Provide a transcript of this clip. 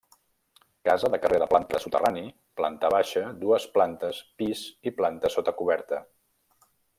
Casa de carrer de planta soterrani, planta baixa, dues plantes pis i planta sota coberta.